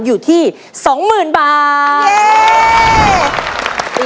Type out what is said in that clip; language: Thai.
อยู่ที่๒๐๐๐บาท